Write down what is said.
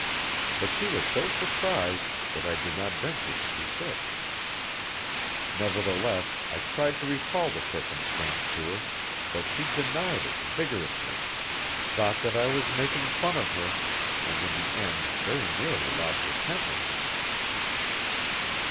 But she was so surprised that I did not venture to persist; nevertheless, I tried to recall the circumstance to her, but she denied it vigorously, thought that I was making fun of her, and in the end very nearly lost her temper.